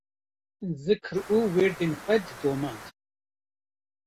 zikir û wîrdên xwe didomand